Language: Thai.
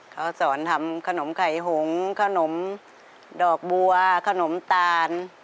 เขาสอนทำขนมไข่หงขนมดอกบัวขนมตาล